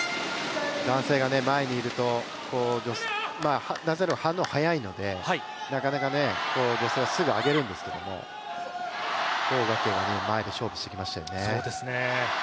男性が前にいると男性よりも反応が早いのでなかなか女性はすぐ上げるんですけど、黄雅瓊は前で勝負してきましたよね。